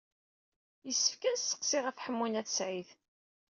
Yessefk ad nesseqsi ɣef Ḥemmu n At Sɛid.